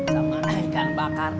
sama ikan bakar ah